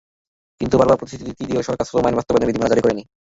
কিন্তু বারবার প্রতিশ্রুতি দিয়েও সরকার শ্রম আইন বাস্তবায়নের বিধিমালা জারি করেনি।